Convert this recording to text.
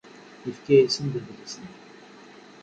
Yefka-asen-d adlis-nni.